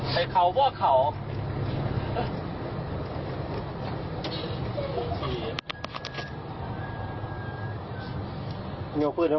พึงไม่ยิกพึง